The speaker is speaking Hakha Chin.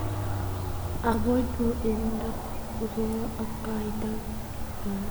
A bawi hnu in a ruam aa kai ter ngai.